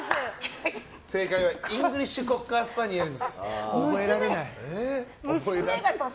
正解はイングリッシュコッカー覚えられない。